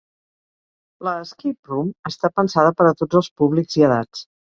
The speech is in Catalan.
La ‘escape room’ està pensada per a tots els públics i edats.